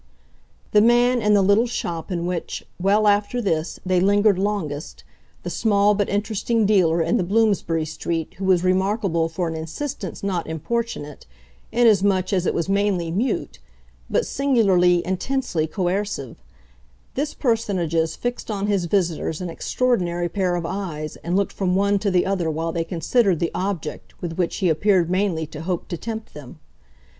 VI The man in the little shop in which, well after this, they lingered longest, the small but interesting dealer in the Bloomsbury street who was remarkable for an insistence not importunate, inasmuch as it was mainly mute, but singularly, intensely coercive this personage fixed on his visitors an extraordinary pair of eyes and looked from one to the other while they considered the object with which he appeared mainly to hope to tempt them.